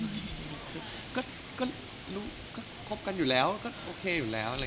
จริงนะก็คบกันอยู่แล้วโอเคอยู่แล้ว